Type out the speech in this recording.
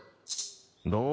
どう？